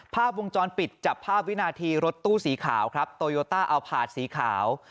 ภาพวงจรปิดจับภาพวินาทีรถตู้สีขาวครับโตโยต้าเอาผาดสีขาว